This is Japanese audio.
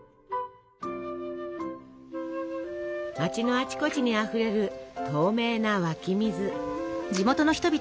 街のあちこちにあふれる透明な湧き水。